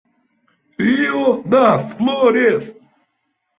Rio das Flores